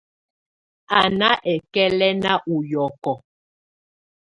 Á nà ǝkɛ̀lǝ̀na ù yɔ̀kɔ̀.